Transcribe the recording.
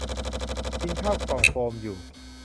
กินข้าวกล่องโฟมอยู่